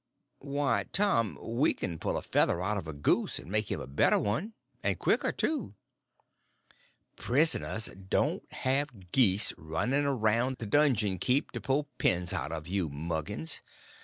"Why, Tom, we can pull a feather out of a goose and make him a better one; and quicker, too." "Prisoners don't have geese running around the donjon keep to pull pens out of, you muggins.